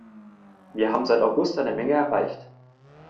Wir haben seit August eine Menge erreicht.